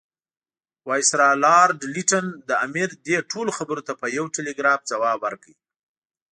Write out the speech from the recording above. وایسرا لارډ لیټن د امیر دې ټولو خبرو ته په یو ټلګراف ځواب ورکړ.